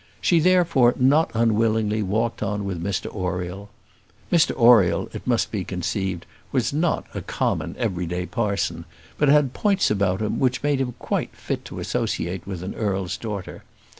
She therefore not unwillingly walked on with Mr Oriel. Mr Oriel, it must be conceived, was not a common, everyday parson, but had points about him which made him quite fit to associate with an earl's daughter.